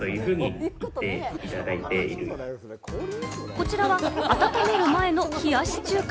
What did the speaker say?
こちらは温める前の冷やし中華。